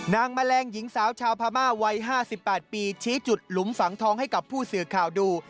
แมลงหญิงสาวชาวพม่าวัย๕๘ปีชี้จุดหลุมฝังทองให้กับผู้สื่อข่าวดู